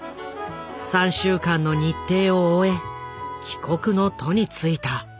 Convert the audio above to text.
３週間の日程を終え帰国の途に就いた。